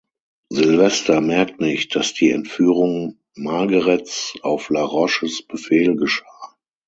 Sylvester merkt nicht, dass die Entführung Margarets auf La Roches Befehl geschah.